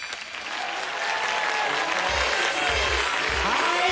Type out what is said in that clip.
はい。